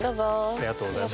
ありがとうございます。